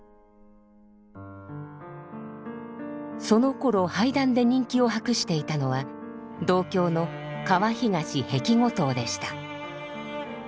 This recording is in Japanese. そのころ俳壇で人気を博していたのは同郷の河東碧梧桐でした。